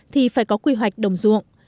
thì phải có quy hoạch đồng ruộng